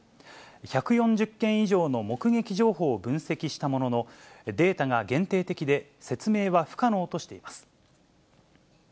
１４０件以上の目撃情報を分析したものの、データが限定的で、説明は不可能としています。